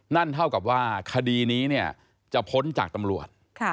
นั่นเท่ากับว่าคดีนี้เนี่ยจะพ้นจากตำรวจ